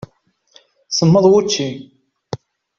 Semmeḍ wučči.